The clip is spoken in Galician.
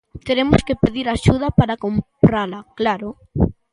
Teremos que pedir axuda para comprala, claro.